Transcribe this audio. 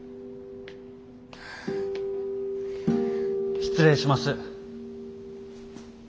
失礼します。